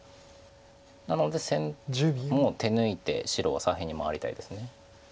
なのでもう手抜いて白は左辺に回りたいです。